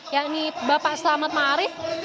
yang ini bapak selamat ma'arif